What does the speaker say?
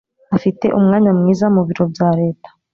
Afite umwanya mwiza mubiro bya leta.